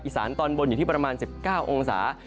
สานตอนบนอยู่ที่ประมาณ๑๙องศา